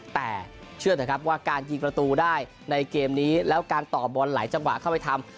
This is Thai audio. แต่เชื่อเถอะครับว่าการยิงประตูได้ในเกมนี้แล้วการต่อบอลหลายจังหวะเข้าไปทำ